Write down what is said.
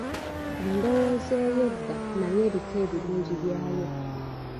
Endowooza ey'edda nayo eriko ebirungi byayo.